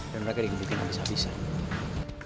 dan mereka digunungin habis habisan